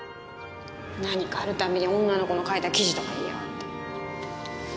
何かあるたんびに女の子の書いた記事とか言いやがって。